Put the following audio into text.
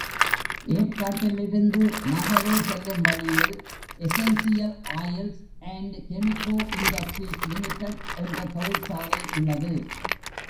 ஏர்க்காட்டிலிருந்து நாகலூர் செல்லும் வழியில் essential oils and Chemico industries limited என்ற தொழிற்சாலை உள்ளது.